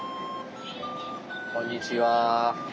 こんにちは。